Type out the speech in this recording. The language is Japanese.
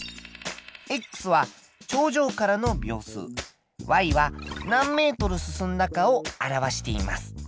は頂上からの秒数。は何ｍ進んだかを表しています。